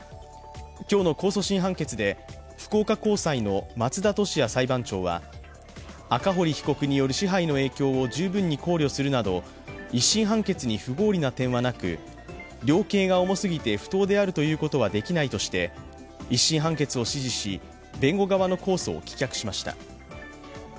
今日の控訴審判決で福岡高裁の松田俊哉裁判長は赤堀被告による支配の影響を十分に考慮するなど１審判決に不合理な点がなく、量刑が重すぎて不当であるということはできないとして、１審判決を支持し弁護側の控訴を棄却しました。